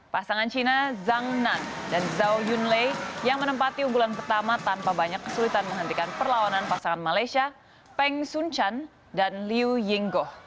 pasangan cina zhang nan dan zhao yunlei yang menempati unggulan pertama tanpa banyak kesulitan menghentikan perlawanan pasangan malaysia peng sun chan dan liu yinggo